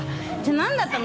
何だったの？